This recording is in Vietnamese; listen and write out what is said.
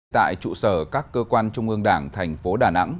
tại trụ sở các cơ quan trung ương đảng thành phố đà nẵng